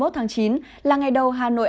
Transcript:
hai mươi tháng chín là ngày đầu hà nội